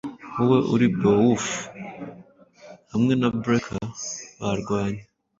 Wowe uri Beowulf hamwe na Breca barwanye